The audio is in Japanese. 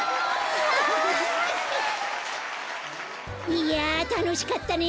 いやたのしかったね。